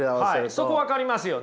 はいそこ分かりますよね。